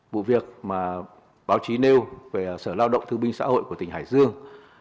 bộ việc mà báo chí nêu về sở lao động thư binh xã hội của tỉnh hải dương